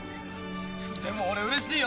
でも俺うれしいよ。